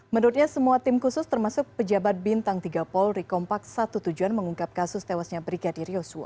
menurutnya semua tim khusus termasuk pejabat bintang tiga polri kompak satu tujuan mengungkap kasus tewasnya brigadir yosua